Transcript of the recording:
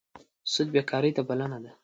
سود بېکارۍ ته بلنه ده.